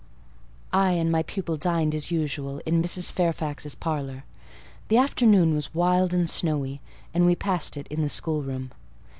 I and my pupil dined as usual in Mrs. Fairfax's parlour; the afternoon was wild and snowy, and we passed it in the schoolroom.